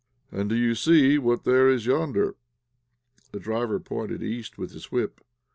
"And do you see what there is yonder?" The driver pointed east with his whip.